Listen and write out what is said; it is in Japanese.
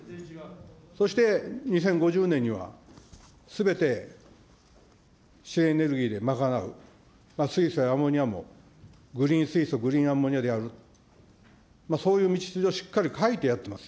そして２０５０年にはすべて新エネルギーで賄う、水素やアンモニアも、グリーン水素、グリーンアンモニアでやる、そういう道筋をしっかり書いてやってます。